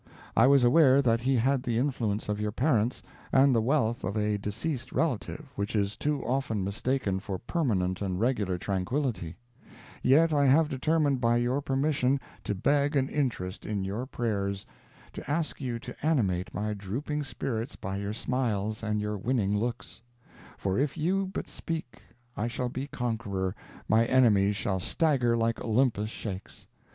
I was aware that he had the influence of your parents, and the wealth of a deceased relative, which is too often mistaken for permanent and regular tranquillity; yet I have determined by your permission to beg an interest in your prayers to ask you to animate my drooping spirits by your smiles and your winning looks; for if you but speak I shall be conqueror, my enemies shall stagger like Olympus shakes.